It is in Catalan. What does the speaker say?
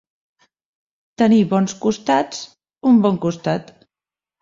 Tenir bons costats, un bon costat.